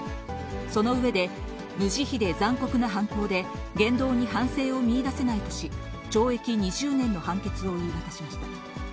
その上で、無慈悲で残酷な犯行で、言動に反省を見いだせないとし、懲役２０年の判決を言い渡しました。